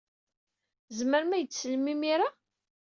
Tzemrem ad iyi-d-teslem imir-a?